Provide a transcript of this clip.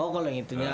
oh kalau yang itu